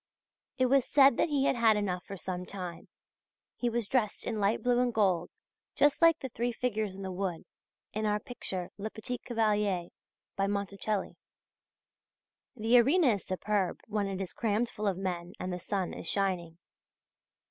It was said that he had had enough for some time. He was dressed in light blue and gold, just like the three figures in the wood, in our picture "Le Petit Cavalier," by Monticelli. The arena is superb when it is crammed full of men and the sun is shining.